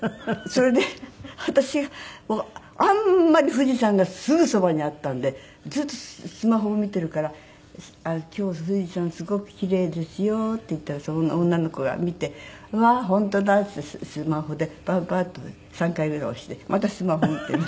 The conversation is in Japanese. それで私があんまり富士山がすぐそばにあったんでずっとスマホを見ているから「今日富士山すごく奇麗ですよ」って言ったらその女の子が見て「うわー本当だ」って言ってスマホでバッバッと３回ぐらい押してまたスマホ見ている。